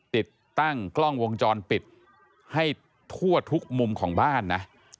ติดตั้งกล้องวงจรปิดให้ทั่วทุกมุมของบ้านนะ